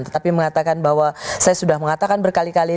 tetapi mengatakan bahwa saya sudah mengatakan berkali kali